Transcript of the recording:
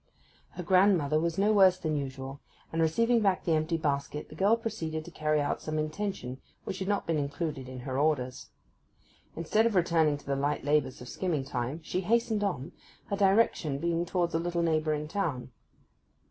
Her grandmother was no worse than usual: and receiving back the empty basket the girl proceeded to carry out some intention which had not been included in her orders. Instead of returning to the light labours of skimming time, she hastened on, her direction being towards a little neighbouring town.